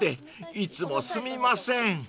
［いつもすみません］